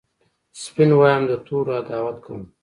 سپین وایم د تورو عداوت کوم